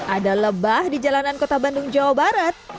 ada lebah di jalanan kota bandung jawa barat